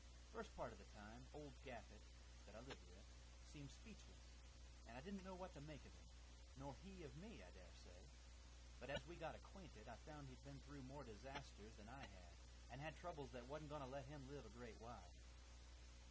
First part of the time, old Gaffett, that I lived with, seemed speechless, and I didn't know what to make of him, nor he of me, I dare say; but as we got acquainted, I found he'd been through more disasters than I had, and had troubles that wa'n't going to let him live a great while.